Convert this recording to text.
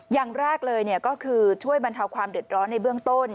อย่างแรกเลยก็คือช่วยบรรเทาความเดือดร้อนในเบื้องต้น